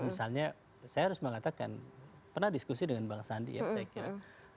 misalnya saya harus mengatakan pernah diskusi dengan bang sandi ya saya kira